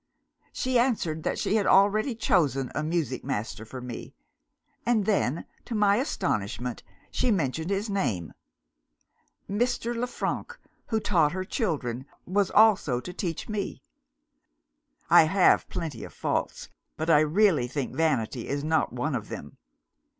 She answered that she had already chosen a music master for me and then, to my astonishment, she mentioned his name. Mr. Le Frank, who taught her children, was also to teach me! I have plenty of faults, but I really think vanity is not one of them.